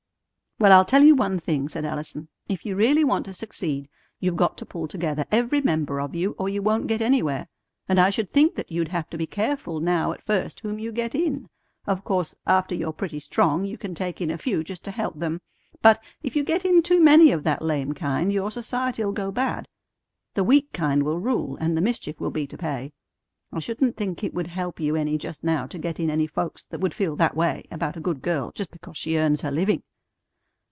"Well, I'll tell you one thing," said Allison, "if you really want to succeed, you've got to pull together, every member of you, or you won't get anywhere. And I should think that you'd have to be careful now at first whom you get in. Of course after you're pretty strong you can take in a few just to help them; but, if you get in too many of that lame kind, your society'll go bad. The weak kind will rule, and the mischief will be to pay. I shouldn't think it would help you any just now to get in any folks that would feel that way about a good girl just because she earns her living."